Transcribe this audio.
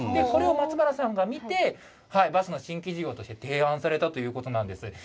これを松原さんが見て、バスの新規事業として提案されたということなんです。